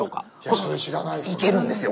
それ知らないですね。